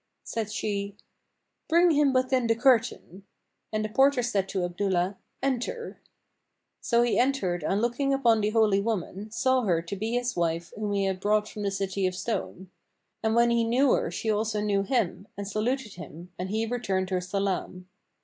Said she, "Bring him within the curtain;" and the porter said to Abdullah, "Enter." So he entered and looking upon the holy woman, saw her to be his wife whom he had brought from the City of Stone. And when he knew her she also knew him and saluted him and he returned her salam.